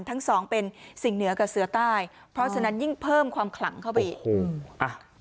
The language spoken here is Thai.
ทั้งสองเป็นสิ่งเหนือกับเสือใต้เพราะฉะนั้นยิ่งเพิ่มความขลังเข้าไปอีกอืมอ่ะ